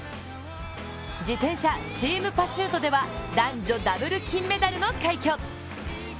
自転車チームパシュートでは男女ダブル金メダルの快挙。